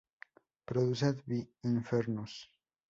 Produced by Infernus.